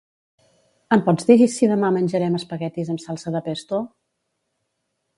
Em pots dir si demà menjarem espaguetis amb salsa de pesto?